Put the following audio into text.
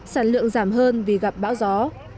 sản lượng giảm hơn vì gặp bão gió